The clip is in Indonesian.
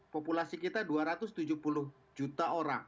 populasi kita dua ratus tujuh puluh juta orang